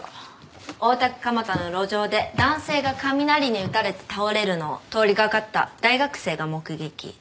大田区蒲田の路上で男性が雷に打たれて倒れるのを通り掛かった大学生が目撃。